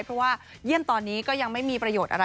เพราะว่าเยี่ยมตอนนี้ก็ยังไม่มีประโยชน์อะไร